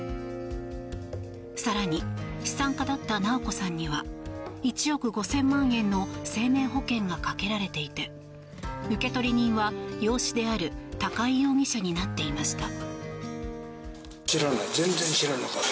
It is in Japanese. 更に、資産家だった直子さんには１億５０００万円の生命保険がかけられていて受取人は養子である高井容疑者になっていました。